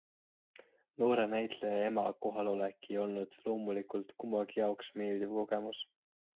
Noore näitleja ema kohalolek ei olnud loomulikult kummagi jaoks meeldiv kogemus.